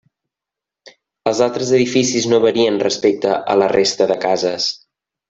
Els altres edificis no varien respecte a la resta de cases.